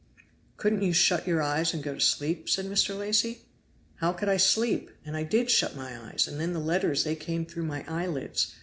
"Couldn't you shut your eyes and go to sleep?" said Mr. Lacy. "How could I sleep? and I did shut my eyes, and then the letters they came through my eyelids.